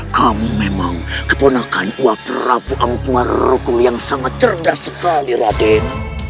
kamu memang keponakan wa prabu angkma rukul yang sangat cerdas sekali raden